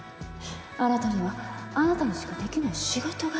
あなたにはあなたにしかできない仕事があるの。